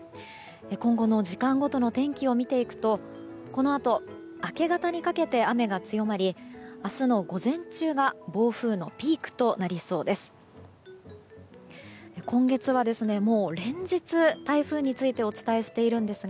今後の時間ごとの天気を見ていくとこのあと明け方にかけて雨が強まり明日の午前中が暴風のピークとなりそうです。